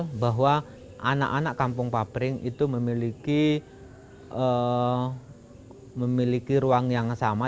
saya bahwa anak anak kampung papering itu memiliki ruang yang sama